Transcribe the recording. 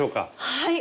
はい！